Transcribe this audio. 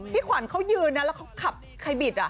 ขวัญเขายืนนะแล้วเขาขับใครบิด